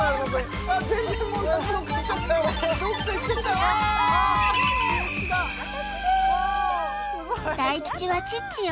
よーい大吉はチッチよ